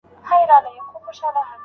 په چای کې ډېره بوره مه اچوئ.